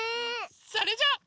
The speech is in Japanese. それじゃ。